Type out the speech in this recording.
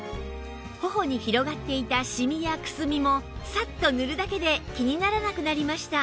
頬に広がっていたシミやクスミもサッと塗るだけで気にならなくなりました